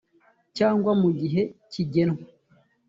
cyangwa mu gihe kigenwe